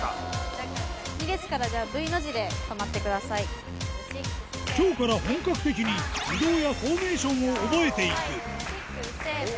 ２列からじゃあ、きょうから本格的に移動やフォーメーションを覚えていく。